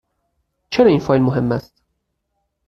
چرا این فایل مهم است؟